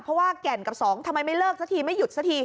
เพราะว่าแก่นกับสองทำไมไม่เลิกสักทีไม่หยุดสักที